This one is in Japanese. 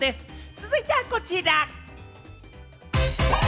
続いてはこちら。